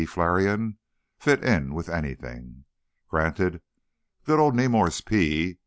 Flarion fit in with anything? Granted, good old Nemours P.